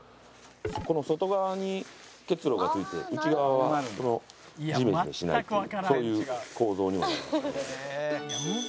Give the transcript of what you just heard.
この外側に結露が付いて内側はジメジメしないっていうそういう構造にもなるんですよね。